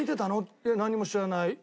「いや何も知らない」。